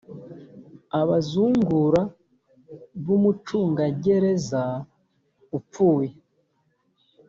abazungura b umucungagereza upfuye